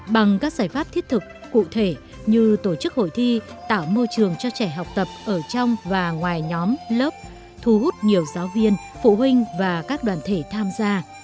bằng các giải pháp thiết thực cụ thể như tổ chức hội thi tạo môi trường cho trẻ học tập ở trong và ngoài nhóm lớp thu hút nhiều giáo viên phụ huynh và các đoàn thể tham gia